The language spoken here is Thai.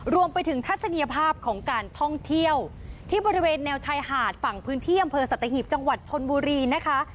รวมไปถึงทัศนียภาพของการท่องเที่ยวที่บริเวณแนวชายหาดฝั่งพื้นที่อำเภอสัตหีบจังหวัดชนบุรีนะคะ